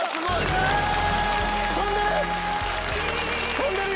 飛んでる！